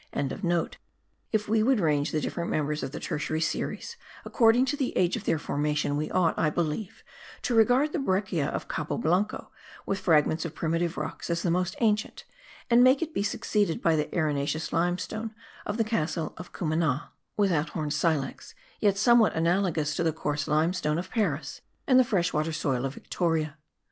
If we would range the different members of the tertiary series according to the age of their formation we ought, I believe, to regard the breccia of Cabo Blanco with fragments of primitive rocks as the most ancient, and make it be succeeded by the arenaceous limestone of the castle of Cumana, without horned silex, yet somewhat analogous to the coarse limestone of Paris, and the fresh water soil of Victoria.